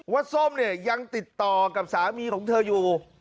ส้มเนี่ยยังติดต่อกับสามีของเธออยู่